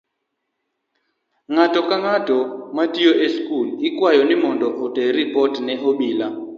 Ng'ato ang'ata matiyo e skul ikwayo ni mondo oter ripot ne obila